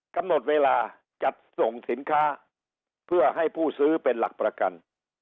กำหนดเวลาจัดส่งสินค้าเพื่อให้ผู้ซื้อเป็นหลักประกัน